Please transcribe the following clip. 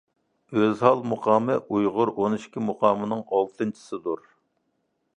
ئۆزھال مۇقامى ئۇيغۇر ئون ئىككى مۇقامىنىڭ ئالتىنچىسىدۇر.